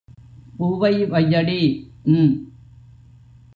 பூவை வையடி....... ம்.